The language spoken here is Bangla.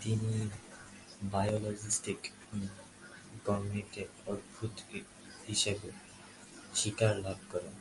তিনি বায়োইলেক্ট্রোম্যাগনেটিকের অগ্রদূত হিসেবে স্বীকৃতি লাভ করেন।